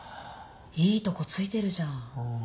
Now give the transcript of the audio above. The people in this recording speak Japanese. いいとこ突いてるじゃん。